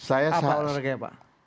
apa olahraga ya pak